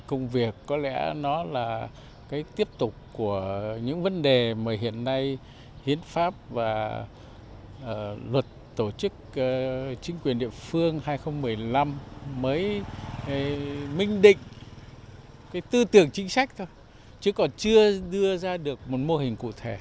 công việc này đến với bà như một cái duyên